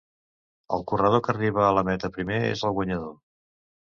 El corredor que arriba a la meta primer és el guanyador.